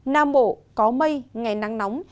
nam bộ có mây ngày nắng nóng